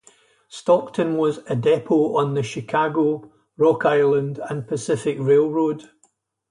Stockton was a depot on the Chicago, Rock Island and Pacific Railroad.